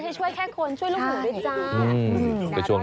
ติดตามทางราวของความน่ารักกันหน่อย